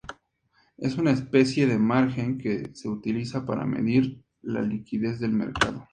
Es una especie de margen que se utiliza para medir la liquidez del mercado.